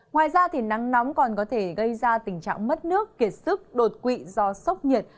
ngoài ra nắng nóng còn có thể gây ra tình trạng mất nước kiệt sức đột quỵ do sốc nhiệt